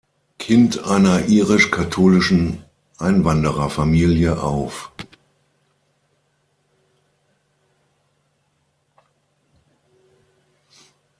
Kind einer irisch-katholischen Einwandererfamilie auf.